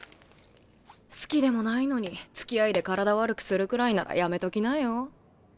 好きでもないのにつきあいで体悪くするくらいならやめときなよ。